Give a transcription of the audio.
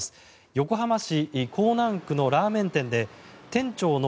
横浜市港南区のラーメン店で店長の